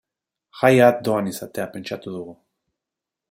Jaia doan izatea pentsatu dugu.